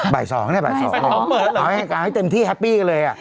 บ่าย๒ล่ะเปิดหรือเนี่ยเอาให้เต็มที่แฮปปี้กันเลย